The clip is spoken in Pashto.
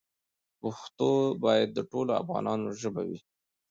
پښتو باید د ټولو افغانانو ژبه وي.